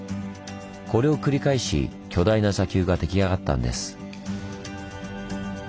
これを繰り返し巨大な砂丘が出来上がったんです。